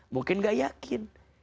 mungkin gak yakin